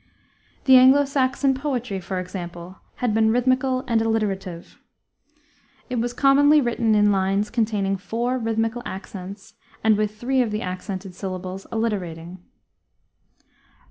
The Anglo Saxon poetry, for example, had been rhythmical and alliterative. It was commonly written in lines containing four rhythmical accents and with three of the accented syllables alliterating.